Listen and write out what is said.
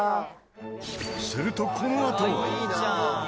するとこのあと。